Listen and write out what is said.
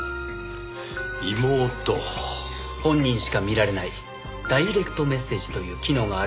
本人しか見られないダイレクトメッセージという機能があるんですが。